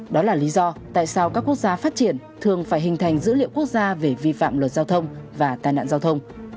đó là lý do tại sao các quốc gia phát triển thường phải hình thành dữ liệu quốc gia về vi phạm luật giao thông và tai nạn giao thông